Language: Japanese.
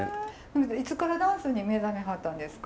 いつからダンスに目覚めはったんですか？